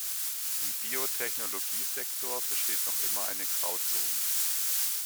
Im Biotechnologiesektor besteht noch immer eine Grauzone.